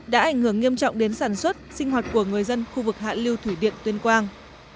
đã ảnh hưởng nghiêm trọng đến sản xuất sinh hoạt của người dân khu vực hạ lưu thủy điện tuyên quang